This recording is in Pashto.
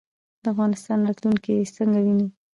د افغانستان راتلونکی څنګه وینئ؟